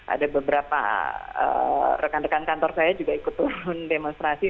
ada beberapa rekan rekan kantor saya juga ikut turun demonstrasi